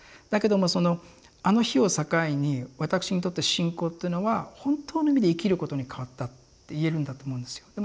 だけどもそのあの日を境に私にとって信仰っていうのは本当の意味で生きることに変わったって言えるんだと思うんですよ。